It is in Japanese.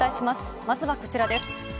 まずはこちらです。